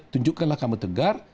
tunjukkanlah kamu tegar